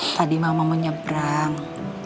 tadi mama menyebrang